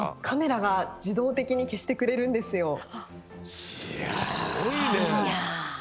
カメラが自動的に消してくれるんですよ。